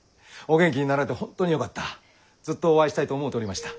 ずっとお会いしたいと思うておりました。